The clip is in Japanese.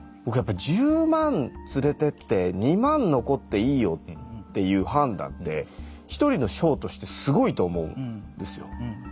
僕やっぱり１０万連れてって２万残っていいよっていう判断って一人の将としてすごいと思うんですよ。